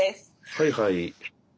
はいはい。